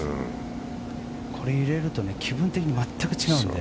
これを入れると気分的にまったく違うので。